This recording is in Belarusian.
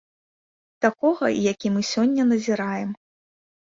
Такога, які мы сёння назіраем.